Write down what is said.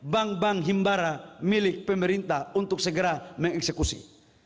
bank bank himbara milik pemerintah untuk segera mengeksekusi